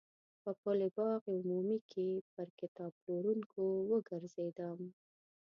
په پل باغ عمومي کې پر کتاب پلورونکو وګرځېدم.